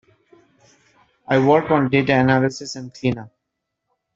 I work on data analysis and cleanup.